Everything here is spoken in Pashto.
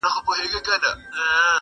چي رمې به گرځېدلې د مالدارو-